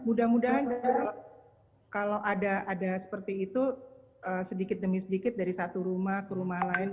mudah mudahan kalau ada seperti itu sedikit demi sedikit dari satu rumah ke rumah lain